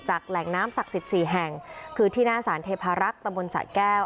แหล่งน้ำศักดิ์สิทธิ์สี่แห่งคือที่หน้าสารเทพารักษ์ตำบลสะแก้ว